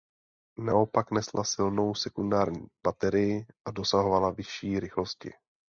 Naopak nesla silnou sekundární baterii a dosahovala vyšší rychlosti.